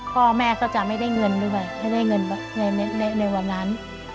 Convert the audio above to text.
พ่อแม่ก็จะไม่ได้เงินด้วยให้ได้เงินในวันนั้น